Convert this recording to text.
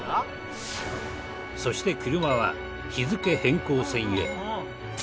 そして車は日付変更線へ。